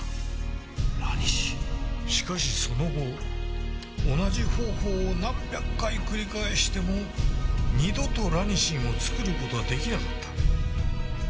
しかしその後同じ方法を何百回繰り返しても二度とラニシンを作る事は出来なかった。